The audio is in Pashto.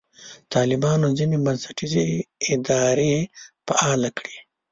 طالبانو ځینې بنسټیزې ادارې فعاله کړې.